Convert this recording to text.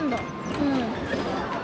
うん。